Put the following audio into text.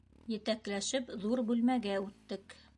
Етәкләшеп, ҙур бүлмәгә үттек.